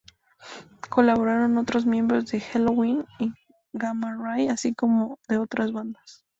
Colaboraron otros miembros de Helloween y Gamma Ray, así como de otras bandas.